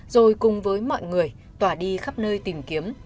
rồi cùng với mọi người tỏa đi khắp nơi tìm kiếm